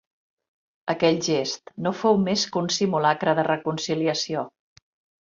Aquell gest no fou més que un simulacre de reconciliació.